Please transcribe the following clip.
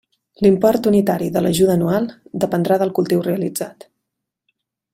L'import unitari de l'ajuda anual dependrà del cultiu realitzat.